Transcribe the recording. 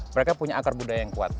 mereka punya akar budaya yang kuat